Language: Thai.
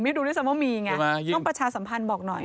ไม่รู้ด้วยซ้ำว่ามีไงต้องประชาสัมพันธ์บอกหน่อย